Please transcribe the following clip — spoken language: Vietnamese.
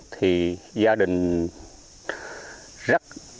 thì gia đình rất